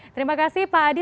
terima kasih pak adi